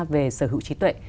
về sở hữu trí tuệ